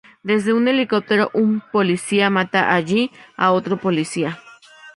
Desde un helicóptero un "policía" mata allí a otro policía.